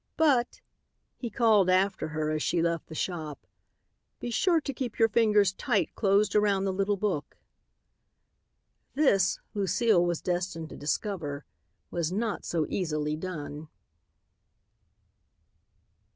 "But," he called after her, as she left the shop, "be sure to keep your fingers tight closed around the little book." This, Lucile was destined to discover, was not so easily done.